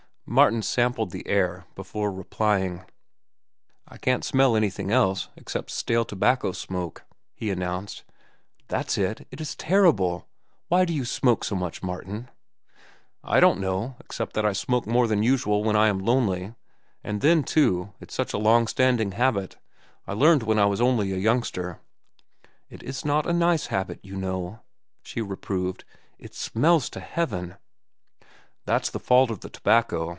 Martin sampled the air before replying. "I can't smell anything else, except stale tobacco smoke," he announced. "That's it. It is terrible. Why do you smoke so much, Martin?" "I don't know, except that I smoke more than usual when I am lonely. And then, too, it's such a long standing habit. I learned when I was only a youngster." "It is not a nice habit, you know," she reproved. "It smells to heaven." "That's the fault of the tobacco.